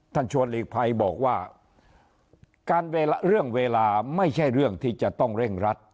ชวนหลีกภัยบอกว่าการเรื่องเวลาไม่ใช่เรื่องที่จะต้องเร่งรัด